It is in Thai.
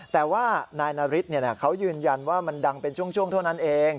แต่ว่านายนาริสเขายืนยันว่ามันดังเป็นช่วงเท่านั้นเอง